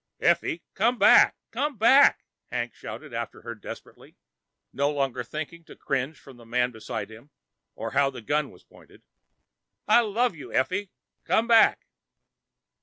"Effie, come back! Come back!" Hank shouted after her desperately, no longer thinking to cringe from the man beside him, or how the gun was pointed. "I love you, Effie. Come back!"